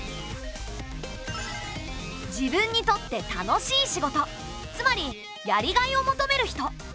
自分にとって楽しい仕事つまりやりがいを求める人。